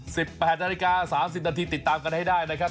๑๘นาฬิกา๓๐นาทีติดตามกันให้ได้นะครับ